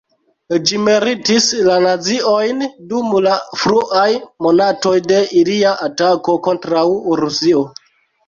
Ĝi meritis la naziojn dum la fruaj monatoj de ilia atako kontraŭ Rusio.